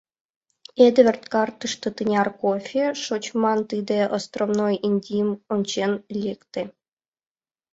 Эдвард картыште тынар кофе шочман тиде островной Индийым ончен лекте.